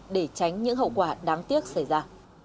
để tránh những hậu quả đáng tiếc xảy ra